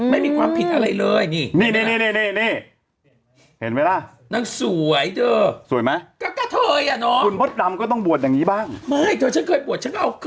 มงคลไปใส่แต่งงานไม่ใช่เหรอ